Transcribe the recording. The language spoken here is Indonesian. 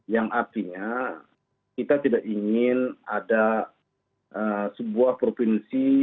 yang artinya kita tidak ingin ada sebuah provinsi